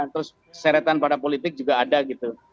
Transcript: terus seretan pada politik juga ada gitu